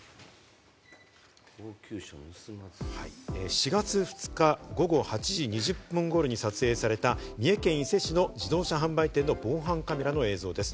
４月２日、午後８時２０分頃に撮影された三重県伊勢市の自動車販売店の防犯カメラの映像です。